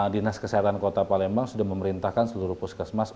dinas kesehatan kota palembang sudah memerintahkan seluruh puskesmas